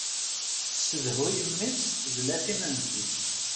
Tessedhuy mmi-s s tezlatin n zik.